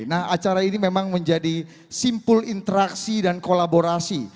nah acara ini memang menjadi simpul interaksi dan kolaborasi